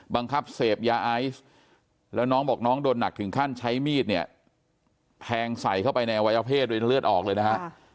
บังคับเสพยาไอซ์แล้วน้องบอกน้องโดนหนักถึงขั้นใช้มีดเนี่ยแทงใส่เข้าไปในอวัยวเพศโดยเลือดออกเลยนะฮะ